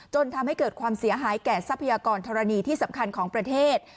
จนทำให้เกิดความเสียหายแก่ทรัพยากรธรณีที่สำคัญของประเทศ